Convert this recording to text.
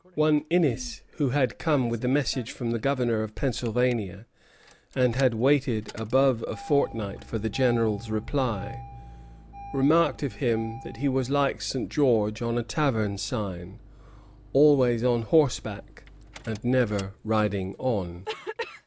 One Innis, who had come with a message from the Governor of Pennsylvania, and had waited above a fortnight for the General's reply, remarked of him that he was like St. George on a tavern sign, always on horseback, and never riding on.